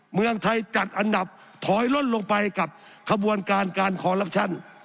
เมืองไทยจัดอันดับถอยล่นลงไปกับขบวนการการคอลลับชั่น